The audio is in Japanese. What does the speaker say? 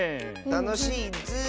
たのしいッズー。